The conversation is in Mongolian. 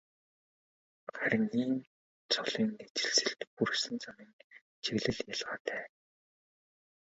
Харин ийм цолын ижилсэлд хүрсэн замын чиглэл ялгаатай.